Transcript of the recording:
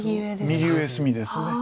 右上隅です。